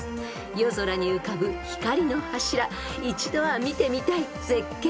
［夜空に浮かぶ光の柱一度は見てみたい絶景です］